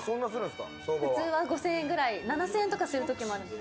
普通は５０００円ぐらい、７０００円とかするときもあります。